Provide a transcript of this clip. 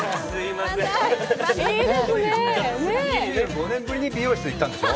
５年ぶりに美容室行ったんでしょ？